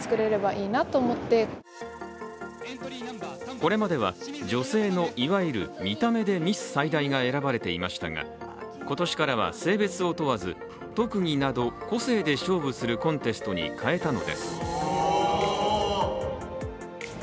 これまでは女性のいわゆる見た目でミス埼大が選ばれていましたが今年からは性別を問わず特技など個性で勝負するコンテストに変えたのです。